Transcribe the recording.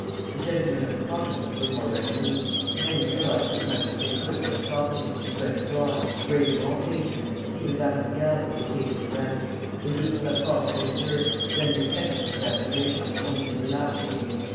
The gentlemen of the provinces were more resolute; many realized as much as they could of their property, and went abroad, braving all dangers, even that of the galleys in case of arrest. The Duke of La Force had abjured, then repented of his abjuration, only to relapse again.